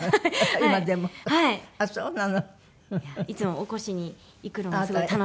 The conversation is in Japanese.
いつも起こしに行くのがすごい楽しいです。